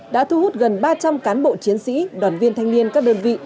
đã thu hút gần ba trăm linh cán bộ chiến sĩ đoàn viên thanh niên các đơn vị